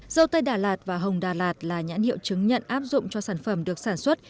dâu tây đà lạt và hồng đà lạt là nhãn hiệu chứng nhận áp dụng cho sản phẩm được sản xuất